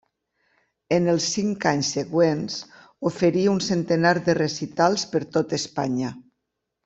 En els cinc anys següents oferí un centenar de recitals per tot Espanya.